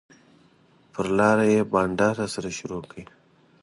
پر لاره یې بنډار راسره شروع کړ.